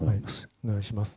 お願いします。